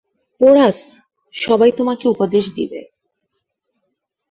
Porous, সবাই তোমাকে উপদেশ দিবে।